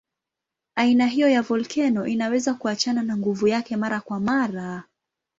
Aina hiyo ya volkeno inaweza kuachana na nguvu yake mara kwa mara.